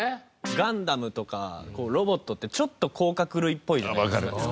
ガンダムとかロボットってちょっと甲殻類っぽいじゃないですか。